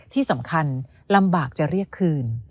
ที่สำคัญลำบากจะเรียกคืน